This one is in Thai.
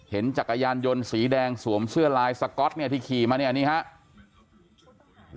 จักรยานยนต์สีแดงสวมเสื้อลายสก๊อตเนี่ยที่ขี่มาเนี่ยนี่ครับ